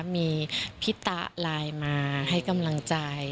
มีพี่ตะไลน์มาให้กำลังใจ